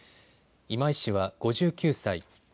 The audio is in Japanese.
今井氏は５９歳。